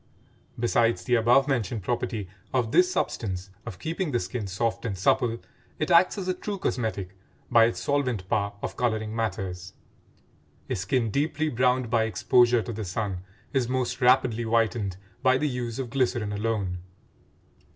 Besides the above mentioned property of this substance of keeping the skin soft and supple, it acts as a true cosmetic by its solvent power of coloring matters: a skin deeply browned by exposure to the sun is most rapidly whitened by the use of glycerin alone.